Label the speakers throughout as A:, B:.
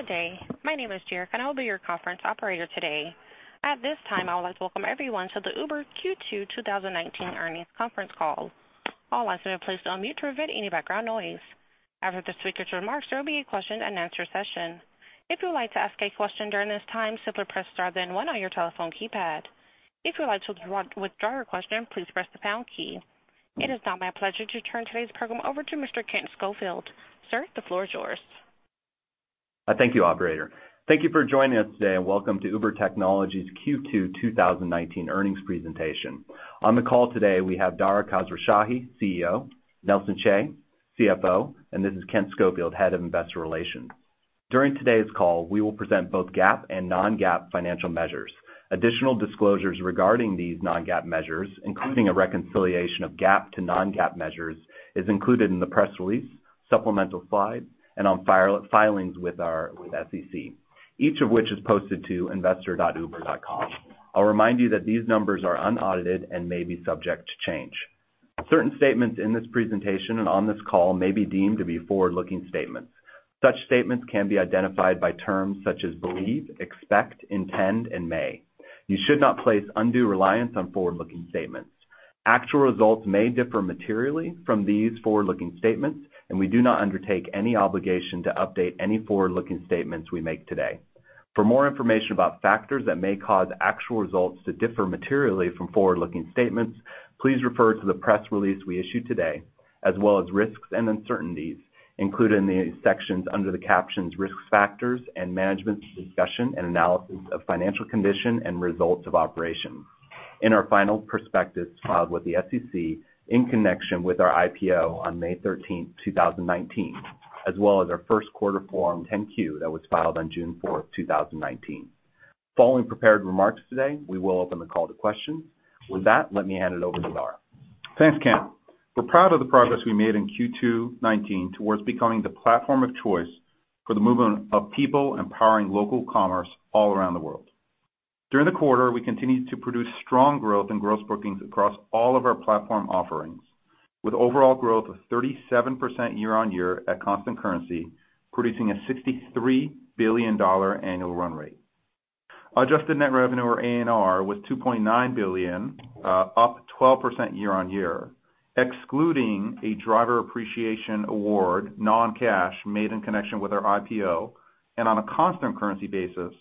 A: Good day. My name is Jerica, and I will be your conference operator today. At this time, I would like to welcome everyone to the Uber Q2 2019 Earnings Conference Call. All lines have been placed on mute to avoid any background noise. After the speakers' remarks, there will be a question-and-answer session. If you would like to ask a question during this time, simply press star then one on your telephone keypad. If you would like to withdraw your question, please press the pound key. It is now my pleasure to turn today's program over to Mr. Kent Schofield. Sir, the floor is yours.
B: Thank you, operator. Thank you for joining us today, and welcome to Uber Technologies Q2 2019 earnings presentation. On the call today, we have Dara Khosrowshahi, CEO, Nelson Chai, CFO, and this is Kent Schofield, Head of Investor Relations. During today's call, we will present both GAAP and non-GAAP financial measures. Additional disclosures regarding these non-GAAP measures, including a reconciliation of GAAP to non-GAAP measures, is included in the press release, supplemental slides, and filings with our SEC, each of which is posted to investor.uber.com. I'll remind you that these numbers are unaudited and may be subject to change. Certain statements in this presentation and on this call may be deemed to be forward-looking statements. Such statements can be identified by terms such as believe, expect, intend, and may. You should not place undue reliance on forward-looking statements. Actual results may differ materially from these forward-looking statements, and we do not undertake any obligation to update any forward-looking statements we make today. For more information about factors that may cause actual results to differ materially from forward-looking statements, please refer to the press release we issued today, as well as risks and uncertainties included in the sections under the captions "Risk Factors" and "Management's Discussion and Analysis of Financial Condition and Results of Operations" in our final prospectus filed with the SEC in connection with our IPO on May 13th, 2019, as well as our first quarter Form 10-Q that was filed on June 4th, 2019. Following prepared remarks today, we will open the call to questions. With that, let me hand it over to Dara.
C: Thanks, Kent. We're proud of the progress we made in Q2 2019 towards becoming the platform of choice for the movement of people and powering local commerce all around the world. During the quarter, we continued to produce strong growth in gross bookings across all of our platform offerings, with overall growth of 37% year-on-year at constant currency, producing a $63 billion annual run rate. Adjusted net revenue or ANR was $2.9 billion, up 12% year-on-year. Excluding a driver appreciation award, non-cash, made in connection with our IPO and on a constant currency basis,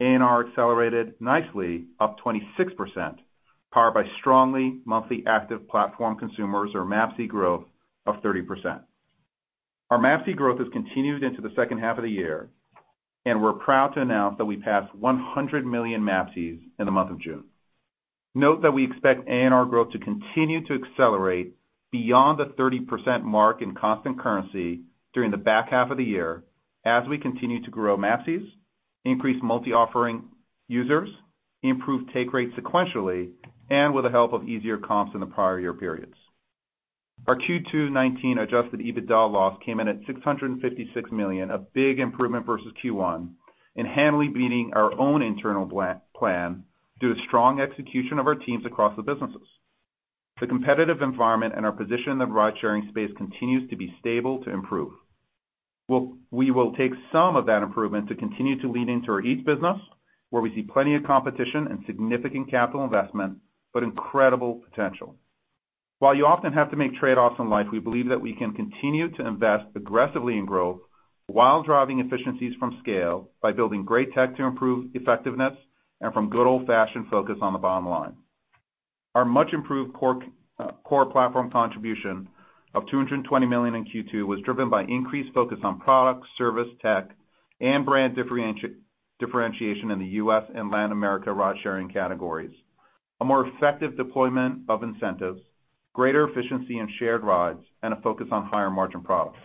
C: ANR accelerated nicely, up 26%, powered by strongly Monthly Active Platform Consumers or MAPC growth of 30%. Our MAPC growth has continued into the second half of the year, and we're proud to announce that we passed 100 million MAPCs in the month of June. Note that we expect ANR growth to continue to accelerate beyond the 30% mark in constant currency during the back half of the year as we continue to grow MAPCs, increase multi-offering users, improve take rate sequentially, and with the help of easier comps in the prior year periods. Our Q2 2019 Adjusted EBITDA loss came in at $656 million, a big improvement versus Q1, and handily beating our own internal plan due to strong execution of our teams across the businesses. The competitive environment and our position in the ride-sharing space continues to be stable to improve. We will take some of that improvement to continue to lean into our Eats business, where we see plenty of competition and significant capital investment, but incredible potential. While you often have to make trade-offs in life, we believe that we can continue to invest aggressively in growth while driving efficiencies from scale by building great tech to improve effectiveness and from good old-fashioned focus on the bottom line. Our much-improved core platform contribution of $220 million in Q2 was driven by increased focus on product, service, tech, and brand differentiation in the U.S. and Latin America ride-sharing categories. A more effective deployment of incentives, greater efficiency in shared rides, and a focus on higher-margin products.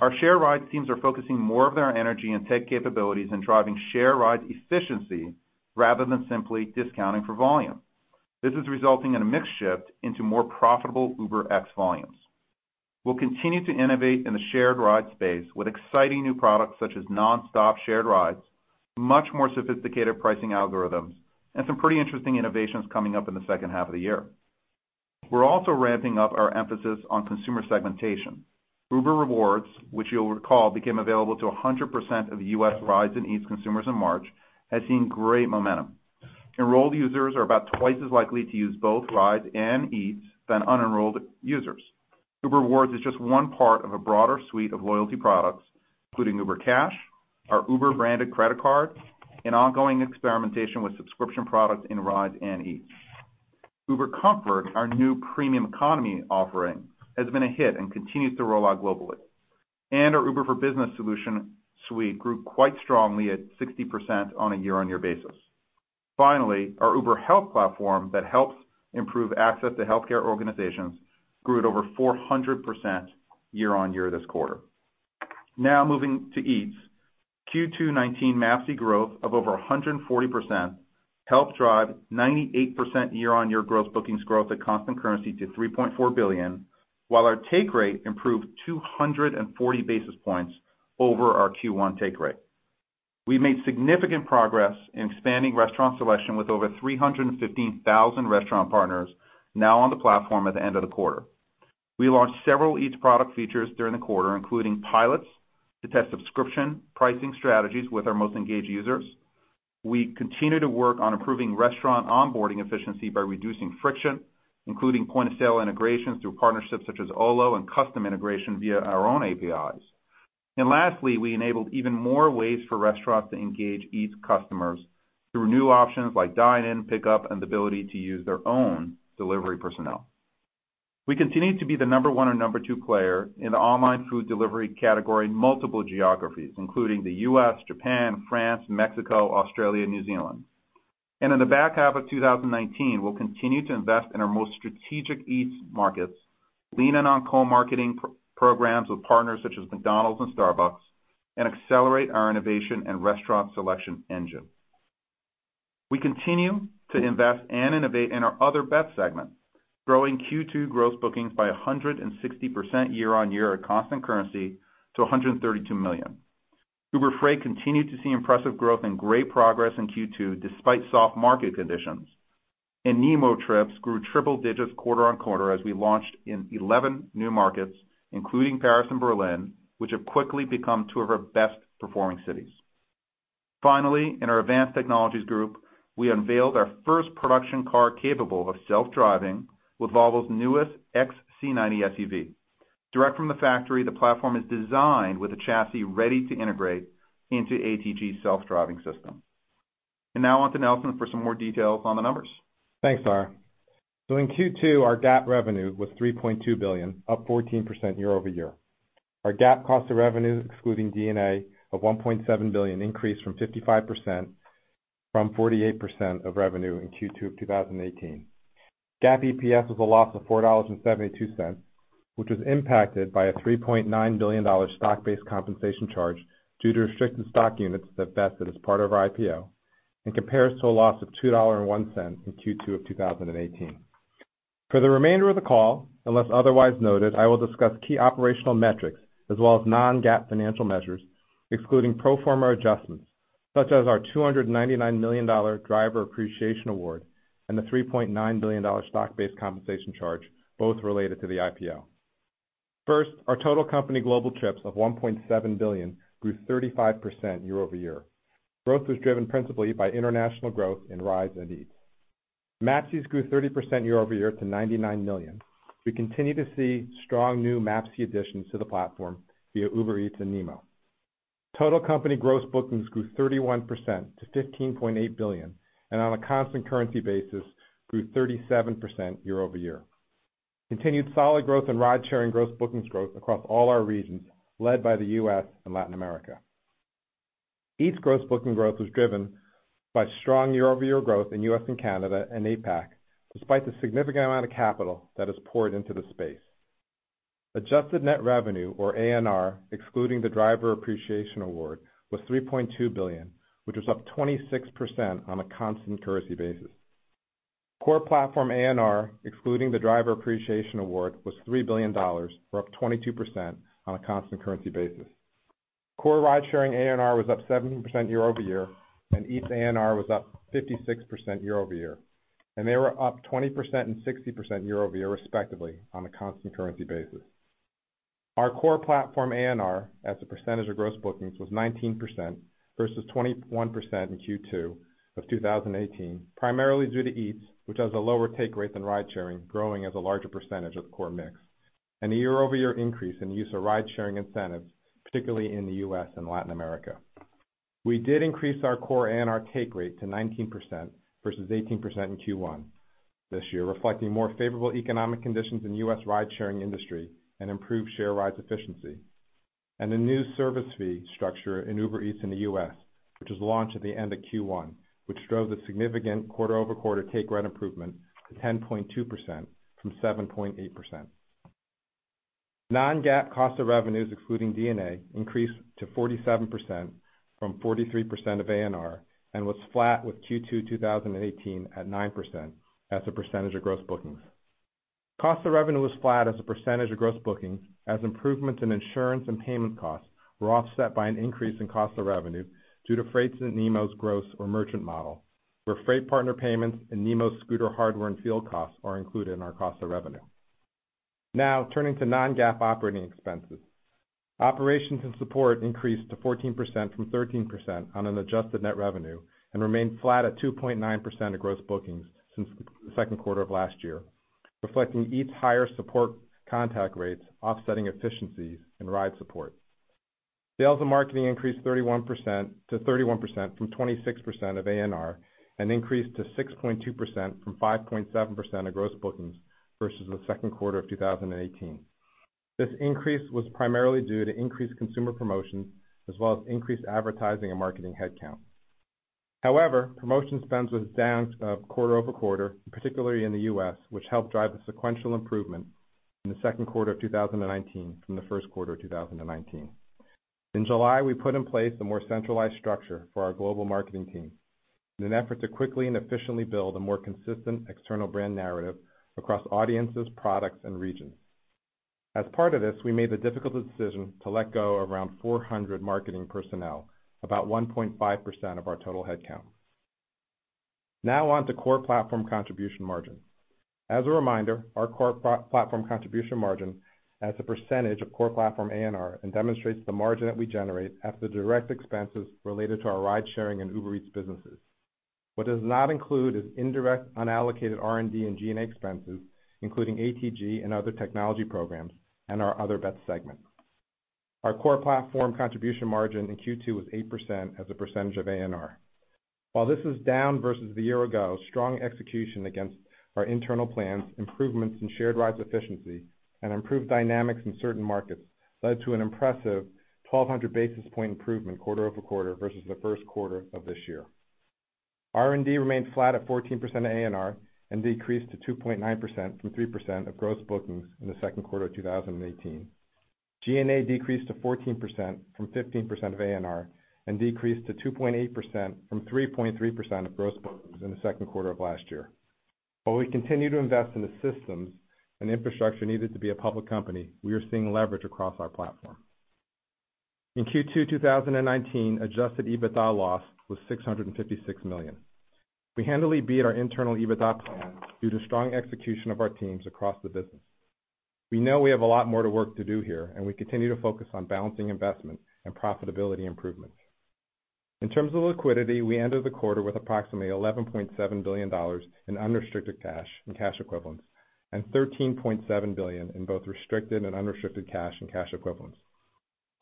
C: Our share ride teams are focusing more of their energy and tech capabilities in driving share ride efficiency rather than simply discounting for volume. This is resulting in a mix shift into more profitable UberX volumes. We'll continue to innovate in the shared ride space with exciting new products such as non-stop shared rides, much more sophisticated pricing algorithms, and some pretty interesting innovations coming up in the second half of the year. We're also ramping up our emphasis on consumer segmentation. Uber Rewards, which you'll recall became available to 100% of U.S. Rides and Eats consumers in March, has seen great momentum. Enrolled users are about twice as likely to use both Rides and Eats than unenrolled users. Uber Rewards is just one part of a broader suite of loyalty products, including Uber Cash, our Uber-branded credit card, and ongoing experimentation with subscription products in Rides and Eats. Uber Comfort, our new premium economy offering, has been a hit and continues to roll out globally. Our Uber for Business solution suite grew quite strongly at 60% on a year-on-year basis. Finally, our Uber Health platform that helps improve access to healthcare organizations grew at over 400% year-on-year this quarter. Now moving to Eats. Q2 2019 MAPC growth of over 140% helped drive 98% year-on-year growth bookings growth at constant currency to $3.4 billion, while our take rate improved 240 basis points over our Q1 take rate. We made significant progress in expanding restaurant selection with over 315,000 restaurant partners now on the platform at the end of the quarter. We launched several Eats product features during the quarter, including pilots to test subscription pricing strategies with our most engaged users. We continue to work on improving restaurant onboarding efficiency by reducing friction, including point-of-sale integrations through partnerships such as Olo and custom integration via our own APIs. Lastly, we enabled even more ways for restaurants to engage Eats customers through new options like dine-in, pickup, and the ability to use their own delivery personnel. We continue to be the number 1 or number two player in the online food delivery category in multiple geographies, including the U.S., Japan, France, Mexico, Australia, and New Zealand. In the back half of 2019, we'll continue to invest in our most strategic Eats markets, lean in on co-marketing programs with partners such as McDonald's and Starbucks, and accelerate our innovation and restaurant selection engine. We continue to invest and innovate in our Other Bets segment, growing Q2 gross bookings by 160% year-on-year at constant currency to $132 million. Uber Freight continued to see impressive growth and great progress in Q2 despite soft market conditions. NeMo trips grew triple digits quarter-on-quarter as we launched in 11 new markets, including Paris and Berlin, which have quickly become two of our best-performing cities. Finally, in our Advanced Technologies Group, we unveiled our first production car capable of self-driving with Volvo's newest XC90 SUV. Direct from the factory, the platform is designed with a chassis ready to integrate into ATG's self-driving system. Now on to Nelson for some more details on the numbers.
D: Thanks, Dara. In Q2, our GAAP revenue was $3.2 billion, up 14% year-over-year. Our GAAP cost of revenue, excluding D&A, of $1.7 billion increased from 55% from 48% of revenue in Q2 of 2018. GAAP EPS was a loss of $4.72, which was impacted by a $3.9 billion stock-based compensation charge due to restricted stock units that vested as part of our IPO and compares to a loss of $2.01 in Q2 of 2018. For the remainder of the call, unless otherwise noted, I will discuss key operational metrics as well as non-GAAP financial measures, excluding pro forma adjustments, such as our $299 million driver appreciation award and the $3.9 billion stock-based compensation charge, both related to the IPO. First, our total company global trips of 1.7 billion grew 35% year-over-year. Growth was driven principally by international growth in Rides and Eats. MAPCs grew 30% to 99 million. We continue to see strong new MAPC additions to the platform via Uber Eats and NeMo. Total company gross bookings grew 31% to 15.8 billion, and on a constant currency basis grew 37% year-over-year. Continued solid growth in ride-sharing gross bookings growth across all our regions led by the U.S. and Latin America. Eats gross booking growth was driven by strong year-over-year growth in U.S. and Canada and APAC, despite the significant amount of capital that is poured into the space. Adjusted net revenue, or ANR, excluding the driver appreciation award, was $3.2 billion, which was up 26% on a constant currency basis. Core platform ANR, excluding the driver appreciation award, was $3 billion, or up 22% on a constant currency basis. Core ride-sharing ANR was up 17% year-over-year. Eats ANR was up 56% year-over-year. They were up 20% and 60% year-over-year respectively on a constant currency basis. Our core platform ANR as a percentage of gross bookings was 19% versus 21% in Q2 of 2018, primarily due to Eats, which has a lower take rate than ride sharing, growing as a larger percentage of core mix and a year-over-year increase in use of ride-sharing incentives, particularly in the U.S. and Latin America. We did increase our core ANR take rate to 19% versus 18% in Q1 this year, reflecting more favorable economic conditions in U.S. ride-sharing industry and improved share rides efficiency. A new service fee structure in Uber Eats in the U.S., which was launched at the end of Q1, which drove the significant quarter-over-quarter take rate improvement to 10.2% from 7.8%. Non-GAAP cost of revenues excluding D&A increased to 47% from 43% of ANR and was flat with Q2 2018 at 9% as a percentage of gross bookings. Cost of revenue was flat as a percentage of gross bookings as improvements in insurance and payment costs were offset by an increase in cost of revenue due to Freight's and NeMo's gross or merchant model, where Freight partner payments and NeMo scooter hardware and field costs are included in our cost of revenue. Turning to non-GAAP operating expenses. Operations and support increased to 14% from 13% on an adjusted net revenue and remained flat at 2.9% of gross bookings since the second quarter of last year, reflecting Eats higher support contact rates offsetting efficiencies in ride support. Sales and marketing increased 31%-31% from 26% of ANR and increased to 6.2% from 5.7% of gross bookings versus the second quarter of 2018. This increase was primarily due to increased consumer promotions as well as increased advertising and marketing headcount. However, promotion spends was down quarter-over-quarter, particularly in the U.S., which helped drive the sequential improvement in the second quarter of 2019 from the first quarter of 2019. In July, we put in place a more centralized structure for our global marketing team in an effort to quickly and efficiently build a more consistent external brand narrative across audiences, products, and regions. As part of this, we made the difficult decision to let go around 400 marketing personnel, about 1.5% of our total headcount. On to core platform contribution margin. As a reminder, our core platform contribution margin as a percentage of core platform ANR and demonstrates the margin that we generate after direct expenses related to our ridesharing and Uber Eats businesses. What does not include is indirect unallocated R&D and G&A expenses, including ATG and other technology programs and our Other Bet segment. Our core platform contribution margin in Q2 was 8% as a percentage of ANR. While this is down versus the year ago, strong execution against our internal plans, improvements in shared rides efficiency, and improved dynamics in certain markets led to an impressive 1,200 basis point improvement quarter-over-quarter versus the first quarter of this year. R&D remained flat at 14% ANR and decreased to 2.9% from 3% of gross bookings in the second quarter of 2018. G&A decreased to 14% from 15% of ANR and decreased to 2.8% from 3.3% of gross bookings in the second quarter of last year. While we continue to invest in the systems and infrastructure needed to be a public company, we are seeing leverage across our platform. In Q2 2019, Adjusted EBITDA loss was $656 million. We handily beat our internal EBITDA plan due to strong execution of our teams across the business. We know we have a lot more to work to do here, and we continue to focus on balancing investment and profitability improvements. In terms of liquidity, we ended the quarter with approximately $11.7 billion in unrestricted cash and cash equivalents, and $13.7 billion in both restricted and unrestricted cash and cash equivalents.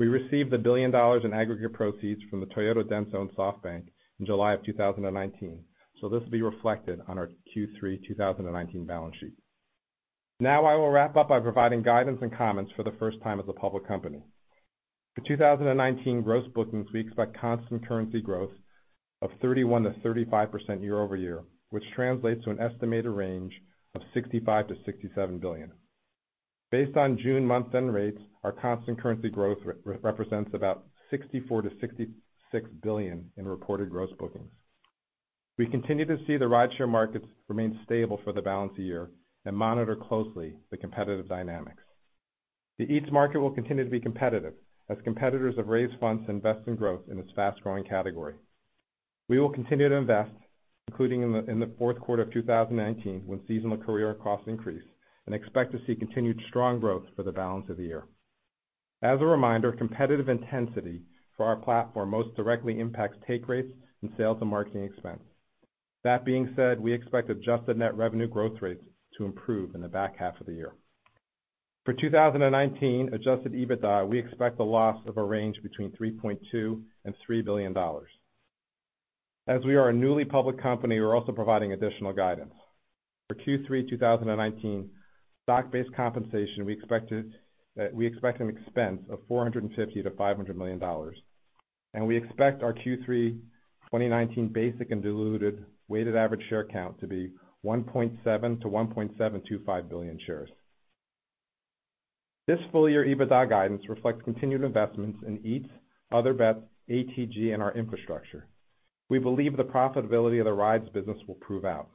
D: We received $1 billion in aggregate proceeds from the Toyota DENSO SoftBank in July 2019, this will be reflected on our Q3 2019 balance sheet. I will wrap up by providing guidance and comments for the first time as a public company. For 2019 gross bookings, we expect constant currency growth of 31%-35% year-over-year, which translates to an estimated range of $65 billion-$67 billion. Based on June month-end rates, our constant currency growth represents about $64 billion-$66 billion in reported gross bookings. We continue to see the rideshare markets remain stable for the balance of the year and monitor closely the competitive dynamics. The Eats market will continue to be competitive as competitors have raised funds to invest in growth in this fast-growing category. We will continue to invest, including in the fourth quarter of 2019 when seasonal courier costs increase, and expect to see continued strong growth for the balance of the year. As a reminder, competitive intensity for our platform most directly impacts take rates and sales and marketing expense. That being said, we expect adjusted net revenue growth rates to improve in the back half of the year. For 2019 Adjusted EBITDA, we expect the loss of a range between $3.2 billion and $3 billion. As we are a newly public company, we're also providing additional guidance. For Q3 2019 stock-based compensation, we expect an expense of $450 million-$500 million, and we expect our Q3 2019 basic and diluted weighted average share count to be 1.7 billion-1.725 billion shares. This full-year EBITDA guidance reflects continued investments in Eats, Other Bets, ATG, and our infrastructure. We believe the profitability of the rides business will prove out.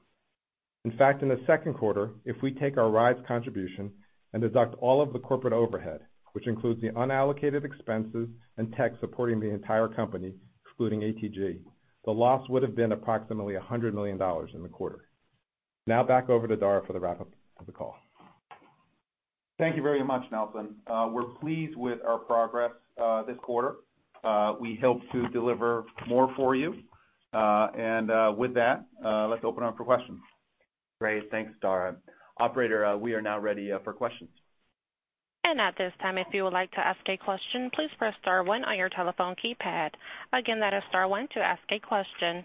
D: In fact, in the second quarter, if we take our rides contribution and deduct all of the corporate overhead, which includes the unallocated expenses and tech supporting the entire company, excluding ATG, the loss would have been approximately $100 million in the quarter. Now back over to Dara for the wrap-up of the call.
C: Thank you very much, Nelson. We're pleased with our progress this quarter. We hope to deliver more for you. With that, let's open up for questions.
B: Great. Thanks, Dara. Operator, we are now ready for questions.
A: At this time, if you would like to ask a question, please press star one on your telephone keypad. Again, that is star one to ask a question.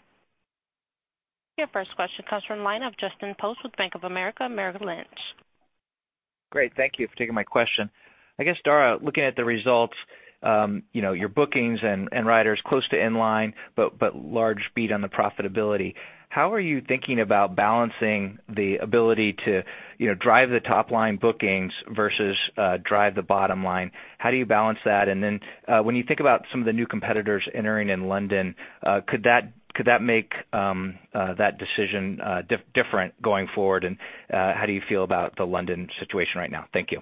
A: Your first question comes from line of Justin Post with Bank of America Merrill Lynch.
E: Great. Thank you for taking my question. I guess, Dara, looking at the results, you know, your bookings and riders close to inline, but large beat on the profitability. How are you thinking about balancing the ability to, you know, drive the top-line bookings versus, drive the bottom line? How do you balance that? When you think about some of the new competitors entering in London, could that make that decision, different going forward? How do you feel about the London situation right now? Thank you.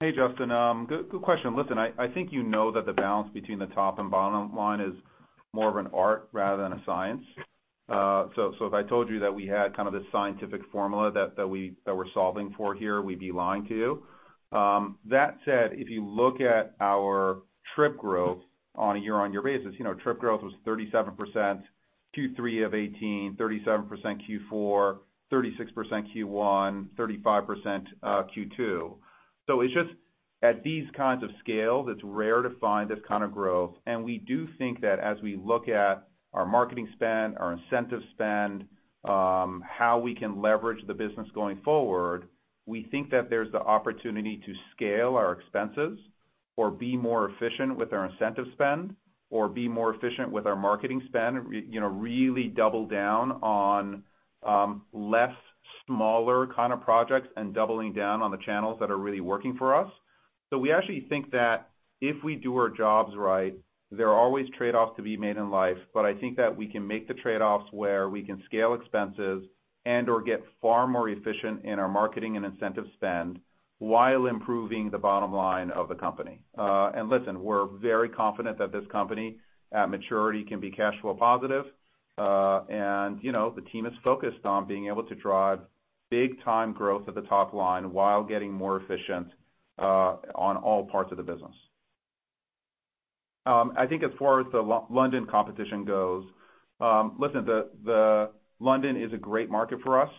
C: Hey, Justin. Good question. Listen, I think you know that the balance between the top and bottom line is more of an art rather than a science. If I told you that we had kind of this scientific formula that we're solving for here, we'd be lying to you. That said, if you look at our trip growth on a year-on-year basis, you know, trip growth was 37% Q3 of 2018, 37% Q4, 36% Q1, 35% Q2. It's just at these kinds of scales, it's rare to find this kind of growth, and we do think that as we look at our marketing spend, our incentive spend, how we can leverage the business going forward, we think that there's the opportunity to scale our expenses or be more efficient with our incentive spend or be more efficient with our marketing spend, you know, really double down on less smaller kind of projects and doubling down on the channels that are really working for us. We actually think that if we do our jobs right, there are always trade-offs to be made in life, but I think that we can make the trade-offs where we can scale expenses and/or get far more efficient in our marketing and incentive spend while improving the bottom line of the company. Listen, we're very confident that this company, at maturity, can be cash flow positive. You know, the team is focused on being able to drive big time growth at the top line while getting more efficient on all parts of the business. I think as far as the London competition goes, listen, London is a great market for us.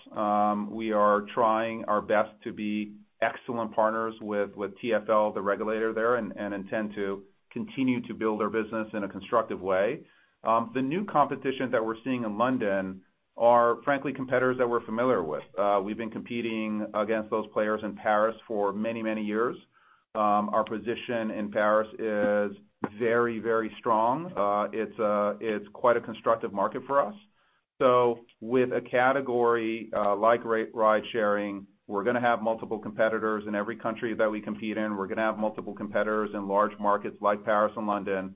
C: We are trying our best to be excellent partners with TfL, the regulator there, and intend to continue to build our business in a constructive way. The new competition that we're seeing in London are, frankly, competitors that we're familiar with. We've been competing against those players in Paris for many, many years. Our position in Paris is very, very strong. It's quite a constructive market for us. With a category, like ride sharing, we're gonna have multiple competitors in every country that we compete in. We're gonna have multiple competitors in large markets like Paris and London.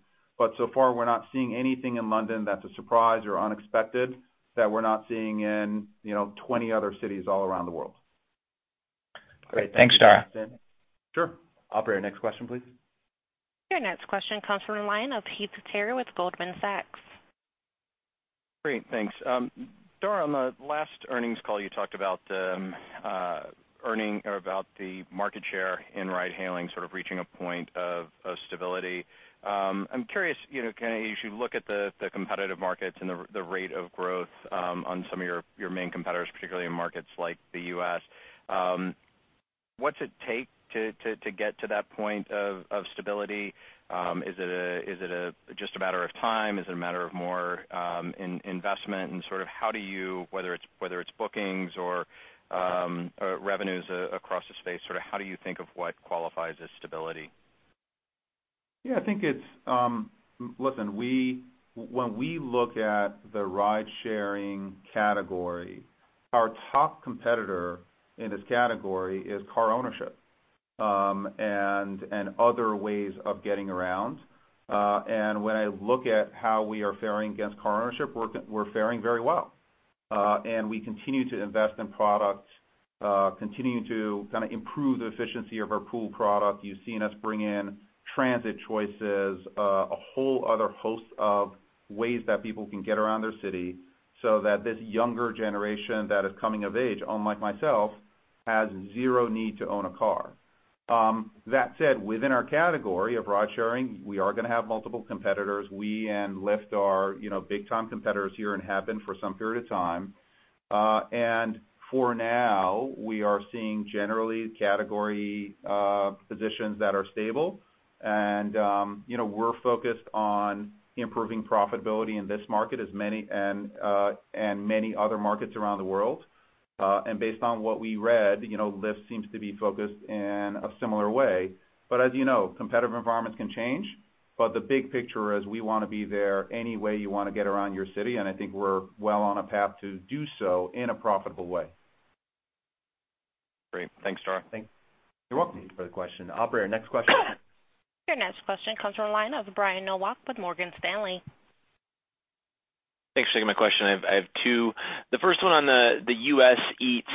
C: So far, we're not seeing anything in London that's a surprise or unexpected that we're not seeing in, you know, 20 other cities all around the world.
E: Great. Thanks, Dara.
C: Sure.
B: Operator, next question, please.
A: Your next question comes from the line of Heath Terry with Goldman Sachs.
F: Great. Thanks. Dara, on the last earnings call, you talked about earning or about the market share in ride hailing, sort of reaching a point of stability. I'm curious, you know, kind of as you look at the competitive markets and the rate of growth on some of your main competitors, particularly in markets like the U.S., what's it take to get to that point of stability? Is it a just a matter of time? Is it a matter of more investment and sort of how do you, whether it's bookings or revenues across the space, sort of how do you think of what qualifies as stability?
C: I think it's, Listen, when we look at the ride sharing category, our top competitor in this category is car ownership, and other ways of getting around. When I look at how we are faring against car ownership, we're faring very well. We continue to invest in products, continuing to kinda improve the efficiency of our Uber Pool product. You've seen us bring in transit choices, a whole other host of ways that people can get around their city so that this younger generation that is coming of age, unlike myself, has zero need to own a car. That said, within our category of ride sharing, we are gonna have multiple competitors. We and Lyft are, you know, big time competitors here and have been for some period of time. For now, we are seeing generally category positions that are stable. You know, we're focused on improving profitability in this market as many and many other markets around the world. Based on what we read, you know, Lyft seems to be focused in a similar way. As you know, competitive environments can change, but the big picture is we wanna be there any way you wanna get around your city, and I think we're well on a path to do so in a profitable way.
F: Great. Thanks, Dara.
C: You're welcome.
B: Thank you for the question. Operator, next question.
A: Your next question comes from the line of Brian Nowak with Morgan Stanley.
G: Thanks for taking my question. I have two. The first one on the U.S. Eats.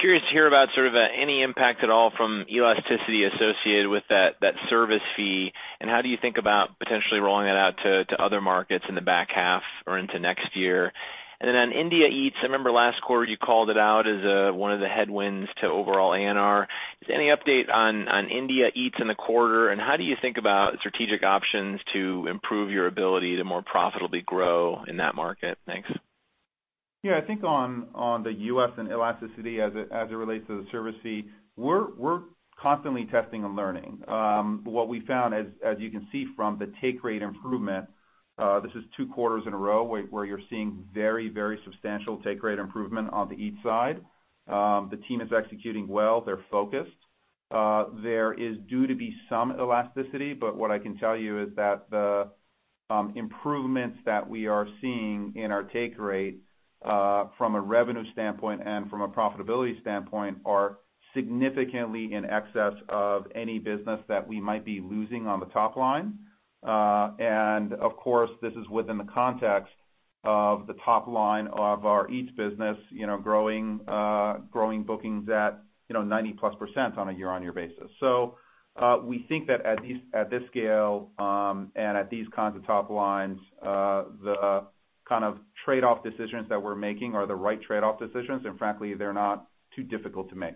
G: Curious to hear about sort of any impact at all from elasticity associated with that service fee, and how do you think about potentially rolling it out to other markets in the back half or into next year. On India Eats, I remember last quarter you called it out as one of the headwinds to overall ANR. Is there any update on India Eats in the quarter, and how do you think about strategic options to improve your ability to more profitably grow in that market? Thanks.
C: Yeah. I think on the U.S. and elasticity as it relates to the service fee, we're constantly testing and learning. What we found as you can see from the take rate improvement, this is two quarters in a row where you're seeing very substantial take rate improvement on the Eats side. The team is executing well. They're focused. There is due to be some elasticity, what I can tell you is that the improvements that we are seeing in our take rate from a revenue standpoint and from a profitability standpoint are significantly in excess of any business that we might be losing on the top line. Of course, this is within the context of the top line of our Eats business, you know, growing bookings at 90%+ on a year-on-year basis. We think that at this scale, and at these kinds of top lines, the kind of trade-off decisions that we're making are the right trade-off decisions, and frankly, they're not too difficult to make.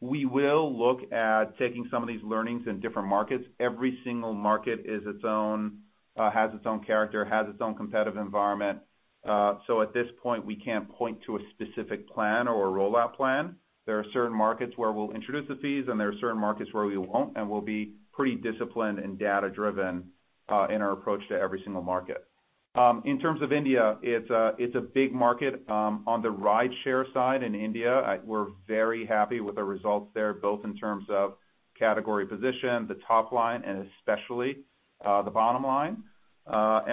C: We will look at taking some of these learnings in different markets. Every single market is its own, has its own character, has its own competitive environment. At this point, we can't point to a specific plan or a rollout plan. There are certain markets where we'll introduce the fees, and there are certain markets where we won't, and we'll be pretty disciplined and data-driven in our approach to every single market. In terms of India, it's a, it's a big market on the rideshare side in India. We're very happy with the results there, both in terms of category position, the top line, and especially the bottom line. Right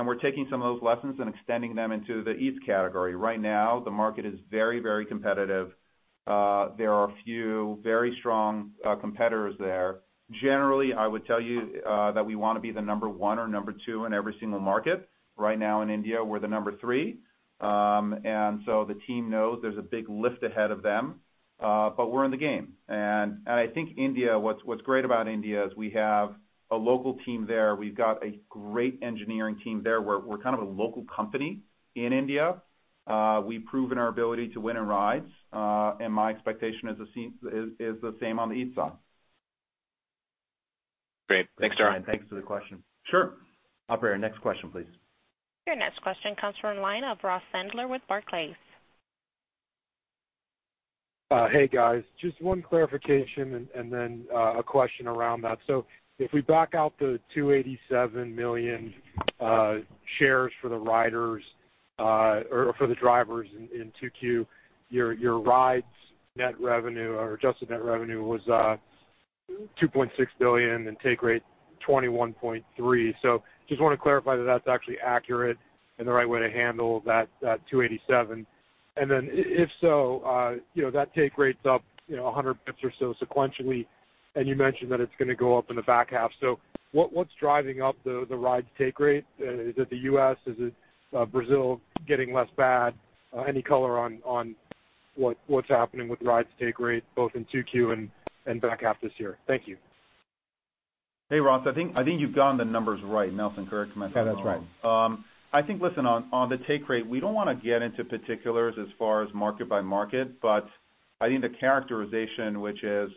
C: now, the market is very, very competitive. There are a few very strong competitors there. Generally, I would tell you that we wanna be the number one or number two in every single market. Right now in India, we're the number three. The team knows there's a big lift ahead of them, but we're in the game. I think India, what's great about India is we have a local team there. We've got a great engineering team there. We're kind of a local company in India. We've proven our ability to win in rides, and my expectation is the same, is the same on the Eats side.
B: Great. Thanks, Dara. Thanks for the question.
G: Sure.
B: Operator, next question, please.
A: Your next question comes from line of Ross Sandler with Barclays.
H: Hey, guys. Just one clarification, a question around that. If we back out the $287 million shares for the riders or for the drivers in Q2, your rides net revenue or adjusted net revenue was $2.6 billion and take rate 21.3. Just wanna clarify that that's actually accurate and the right way to handle that $287. If so, you know, that take rate's up, you know, 100 basis points or so sequentially, and you mentioned that it's gonna go up in the back half. What's driving up the rides take rate? Is it the U.S.? Is it Brazil getting less bad? Any color on what's happening with rides take rate both in Q2 and back half this year? Thank you.
C: Hey, Ross. I think you've gotten the numbers right. Nelson, correct me if I'm wrong.
D: Yeah, that's right.
C: I think, listen, on the take rate, we don't wanna get into particulars as far as market by market, but I think the characterization, which is,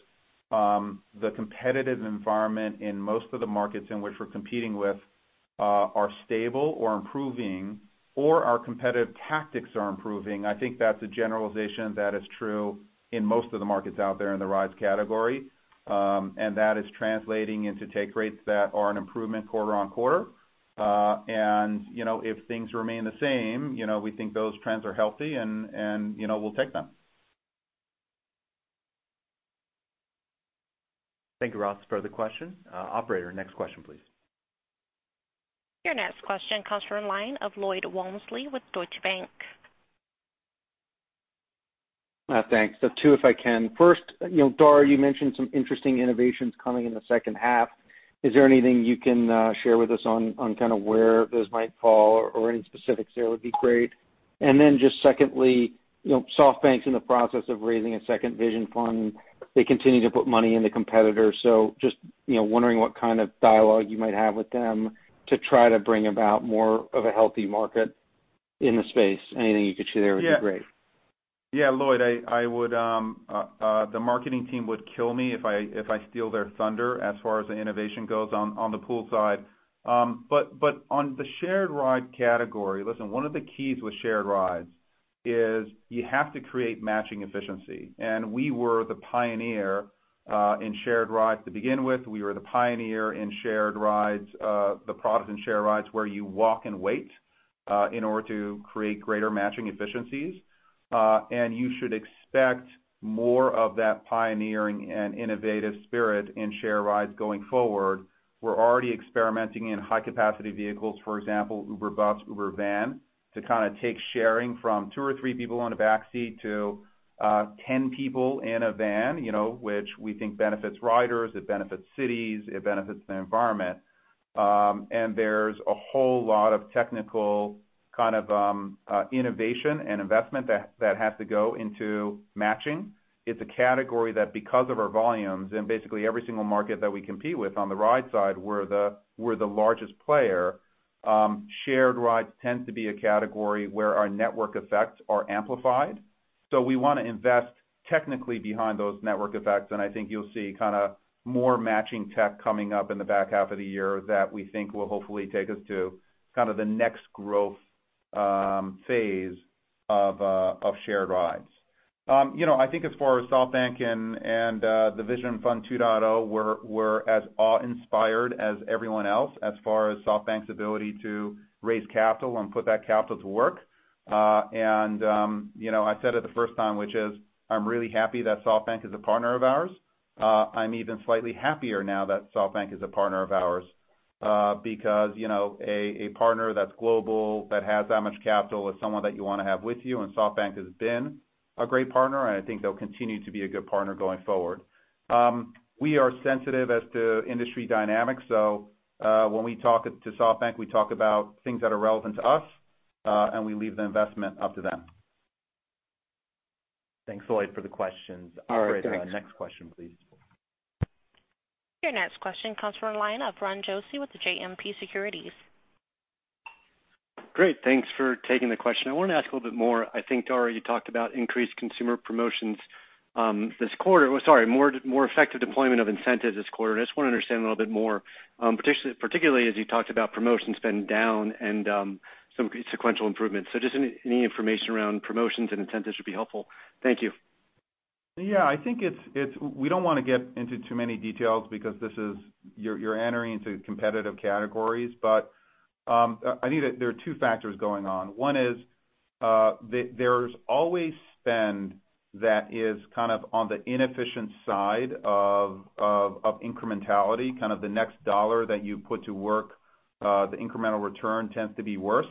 C: the competitive environment in most of the markets in which we're competing with, are stable or improving or our competitive tactics are improving. I think that's a generalization that is true in most of the markets out there in the rides category, and that is translating into take rates that are an improvement quarter-on-quarter. You know, if things remain the same, you know, we think those trends are healthy and, you know, we'll take them.
B: Thank you, Ross, for the question. Operator, next question, please.
A: Your next question comes from line of Lloyd Walmsley with Deutsche Bank.
I: Thanks. Two, if I can. First, you know, Dara, you mentioned some interesting innovations coming in the second half. Is there anything you can share with us on kind of where those might fall or any specifics there would be great. Secondly, you know, SoftBank's in the process of raising a second Vision Fund. They continue to put money in the competitor. Just, you know, wondering what kind of dialogue you might have with them to try to bring about more of a healthy market in the space. Anything you could share there would be great.
C: Yeah. Lloyd, I would, the marketing team would kill me if I steal their thunder as far as the innovation goes on the Pool side. But on the shared ride category, listen, one of the keys with shared rides is you have to create matching efficiency. We were the pioneer in shared rides to begin with. We were the pioneer in shared rides, the product in share rides where you walk and wait in order to create greater matching efficiencies. You should expect more of that pioneering and innovative spirit in share rides going forward. We're already experimenting in high-capacity vehicles, for example, Uber Bus, Uber Van, to kinda take sharing from two or three people on a backseat to 10 people in a van, you know, which we think benefits riders, it benefits cities, it benefits the environment. There's a whole lot of technical kind of innovation and investment that has to go into matching. It's a category that because of our volumes and basically every single market that we compete with on the ride side, we're the largest player. Shared rides tend to be a category where our network effects are amplified. We wanna invest technically behind those network effects, and I think you'll see kinda more matching tech coming up in the back half of the year that we think will hopefully take us to kind of the next growth phase of shared rides. You know, I think as far as SoftBank and the Vision Fund 2.0, we're as awe-inspired as everyone else as far as SoftBank's ability to raise capital and put that capital to work. You know, I said it the first time, which is I'm really happy that SoftBank is a partner of ours. I'm even slightly happier now that SoftBank is a partner of ours, because, you know, a partner that's global, that has that much capital is someone that you wanna have with you, and SoftBank has been a great partner, and I think they'll continue to be a good partner going forward. We are sensitive as to industry dynamics. When we talk to SoftBank, we talk about things that are relevant to us, and we leave the investment up to them.
B: Thanks, Lloyd, for the questions.
I: All right. Thanks.
B: Operator, next question, please.
A: Your next question comes from line of Ronald Josey with JMP Securities.
J: Great. Thanks for taking the question. I wanted to ask a little bit more. I think, Dara, you talked about increased consumer promotions this quarter. Sorry, more effective deployment of incentives this quarter. I just want to understand a little bit more, particularly as you talked about promotion spend down and some sequential improvements. Just any information around promotions and incentives would be helpful. Thank you.
C: Yeah. I think it's We don't wanna get into too many details because this is, you're entering into competitive categories. I think that there are two factors going on. One is, there's always spend that is kind of on the inefficient side of incrementality, kind of the next $1 that you put to work, the incremental return tends to be worse.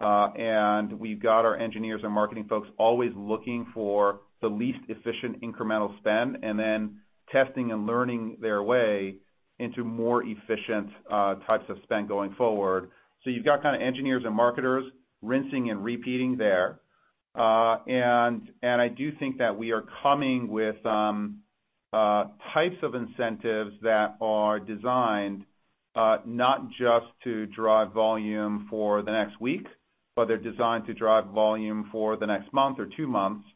C: We've got our engineers and marketing folks always looking for the least efficient incremental spend, then testing and learning their way into more efficient types of spend going forward. You've got kinda engineers and marketers rinsing and repeating there. I do think that we are coming with types of incentives that are designed not just to drive volume for the next week, but they're designed to drive volume for the next month or two months,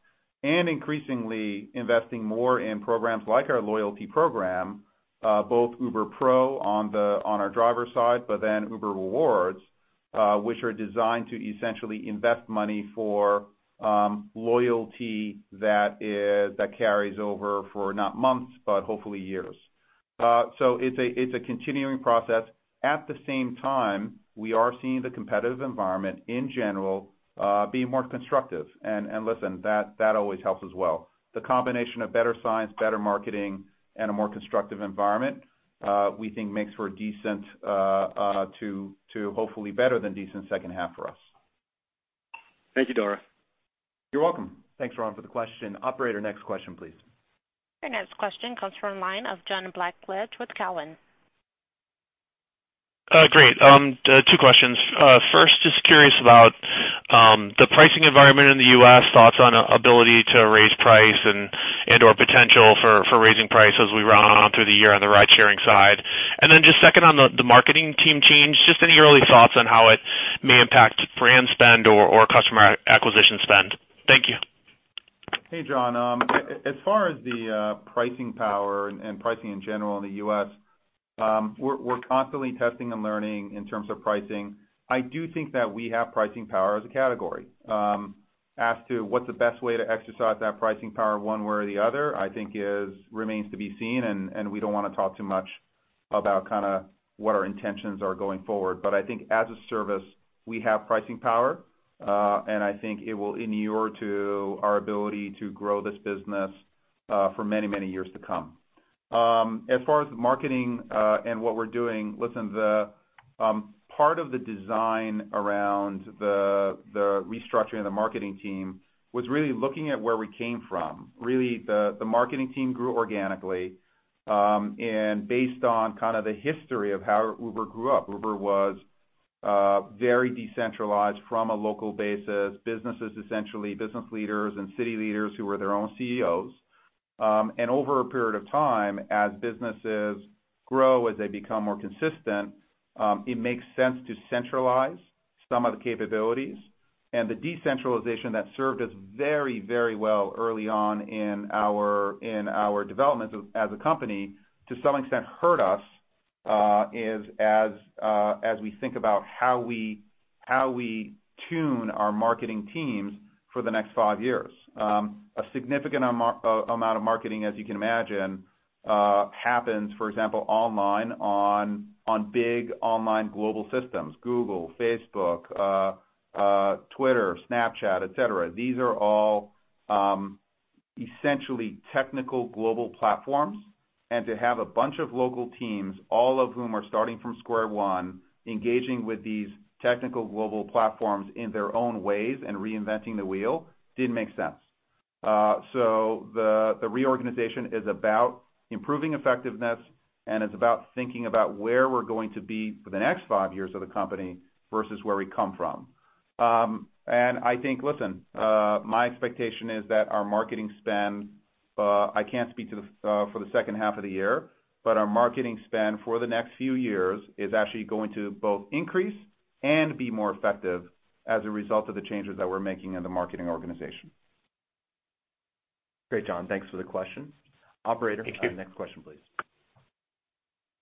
C: and increasingly investing more in programs like our loyalty program, both Uber Pro on our driver side, but then Uber Rewards, which are designed to essentially invest money for loyalty that carries over for not months, but hopefully years. So it's a continuing process. At the same time, we are seeing the competitive environment in general be more constructive. Listen, that always helps as well. The combination of better science, better marketing, and a more constructive environment, we think makes for a decent, to hopefully better than decent second half for us.
J: Thank you, Dara.
B: You're welcome. Thanks, Ron, for the question. Operator, next question, please.
A: Your next question comes from line of John Blackledge with Cowen.
K: Great. Two questions. First, just curious about the pricing environment in the U.S., thoughts on ability to raise price and/or potential for raising price as we run on through the year on the ridesharing side. Just second on the marketing team change, any early thoughts on how it may impact brand spend or customer acquisition spend? Thank you.
C: Hey, John. As far as the pricing power and pricing in general in the U.S., we're constantly testing and learning in terms of pricing. I do think that we have pricing power as a category. As to what's the best way to exercise that pricing power one way or the other, I think remains to be seen, and we don't wanna talk too much about kinda what our intentions are going forward. I think as a service, we have pricing power, and I think it will inure to our ability to grow this business for many, many years to come. As far as marketing, and what we're doing, listen, the part of the design around the restructuring of the marketing team was really looking at where we came from. The marketing team grew organically, based on kind of the history of how Uber grew up. Uber was very decentralized from a local basis. Business is essentially business leaders and city leaders who were their own CEOs. Over a period of time, as businesses grow, as they become more consistent, it makes sense to centralize some of the capabilities. The decentralization that served us very, very well early on in our development as a company, to some extent hurt us as we think about how we tune our marketing teams for the next five years. A significant amount of marketing, as you can imagine, happens, for example, online on big online global systems, Google, Facebook, Twitter, Snapchat, et cetera. These are all essentially technical global platforms. To have a bunch of local teams, all of whom are starting from square one, engaging with these technical global platforms in their own ways and reinventing the wheel didn't make sense. The reorganization is about improving effectiveness, and it's about thinking about where we're going to be for the next five years of the company versus where we come from. I think, listen, my expectation is that our marketing spend, I can't speak to for the second half of the year, but our marketing spend for the next few years is actually going to both increase and be more effective as a result of the changes that we're making in the marketing organization.
B: Great, John. Thanks for the question. Operator.
K: Thank you.
B: Next question, please.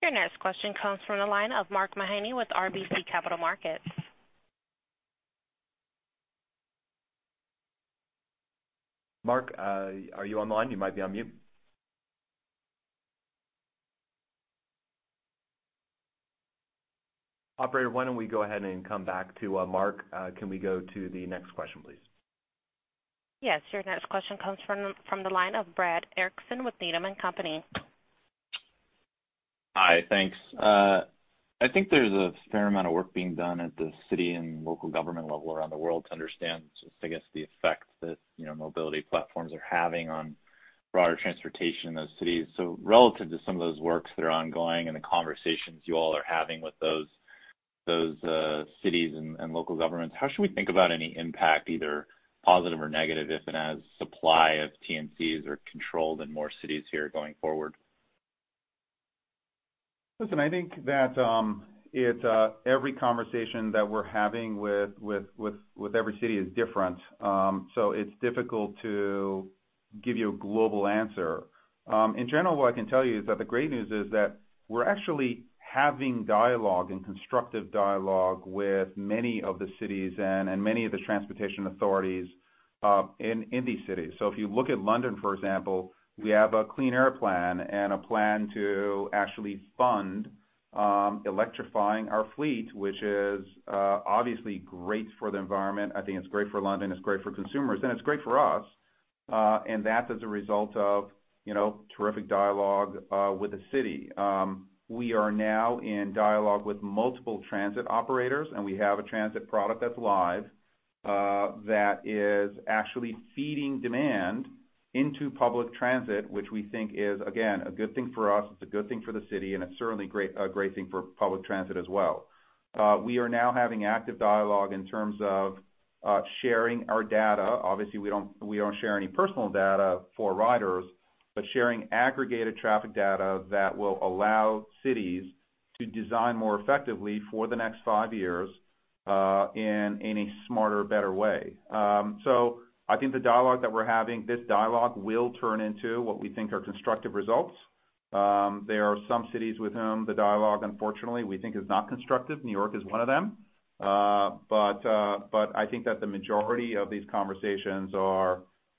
A: Your next question comes from the line of Mark Mahaney with RBC Capital Markets.
B: Mark, are you on the line? You might be on mute. Operator, why don't we go ahead and come back to Mark? Can we go to the next question, please?
A: Yes. Your next question comes from the line of Brad Erickson with Needham and Company.
L: Hi. Thanks. I think there's a fair amount of work being done at the city and local government level around the world to understand just, I guess, the effect that, you know, mobility platforms are having on broader transportation in those cities. Relative to some of those works that are ongoing and the conversations you all are having with those cities and local governments, how should we think about any impact, either positive or negative, if and as supply of TNCs are controlled in more cities here going forward?
C: Listen, I think that every conversation that we're having with every city is different. It's difficult to give you a global answer. In general, what I can tell you is that the great news is that we're actually having dialogue and constructive dialogue with many of the cities and many of the transportation authorities in these cities. If you look at London, for example, we have a clean air plan and a plan to actually fund electrifying our fleet, which is obviously great for the environment. I think it's great for London, it's great for consumers, and it's great for us. And that's as a result of, you know, terrific dialogue with the city. We are now in dialogue with multiple transit operators, and we have a transit product that's live, that is actually feeding demand into public transit, which we think is, again, a good thing for us, it's a good thing for the city, and it's certainly a great thing for public transit as well. We are now having active dialogue in terms of sharing our data. Obviously, we don't share any personal data for riders, but sharing aggregated traffic data that will allow cities to design more effectively for the next five years, in any smarter, better way. I think the dialogue that we're having, this dialogue will turn into what we think are constructive results. There are some cities with whom the dialogue, unfortunately, we think is not constructive. New York is one of them. I think that the majority of these conversations